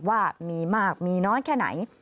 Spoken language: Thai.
ว่ามีมากมีน้อยแค่ไหน